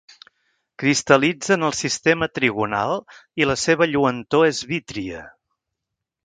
Cristal·litza en el sistema trigonal i la seva lluentor és vítria.